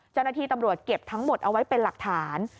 เจ้าหน้าที่ตำรวจเก็บทั้งหมดเอาไว้เป็นหลักฐาน